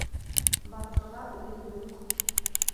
Батырға үлем юҡ.